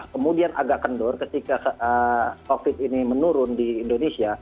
kemudian agak kendor ketika covid ini menurun di indonesia